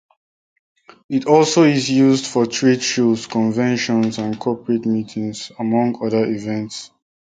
It also is used for trade shows, conventions, and corporate meetings, among other events.